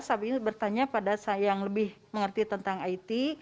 sambil bertanya pada yang lebih mengerti tentang it